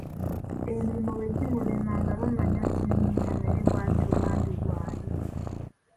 Emirimu bwe gimulema nga bamanya nti ne nnyina naye bwatyo bambi bwali.